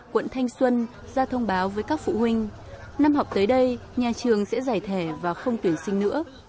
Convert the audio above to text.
quận thanh xuân ra thông báo với các phụ huynh năm học tới đây nhà trường sẽ giải thể và không tuyển sinh nữa